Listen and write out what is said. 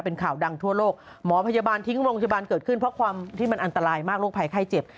เป็นข่าวดังทั่วโลกหมอพยาบาลทิ้งโรงพยาบาลเกิดขึ้นเพราะความที่มันอันตรายมากโรคภัยไข้เจ็บ